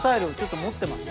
持ってます。